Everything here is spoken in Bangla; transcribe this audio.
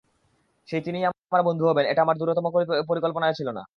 সেই তিনিই আমার বন্ধু হবেন, এটা আমার দূরতম কল্পনায়ও ছিল না।